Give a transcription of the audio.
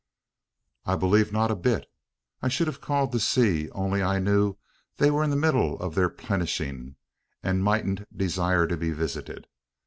"I believe not a bit. I should have called to see; only I knew they were in the middle of their `plenishing,' and mightn't desire to be visited.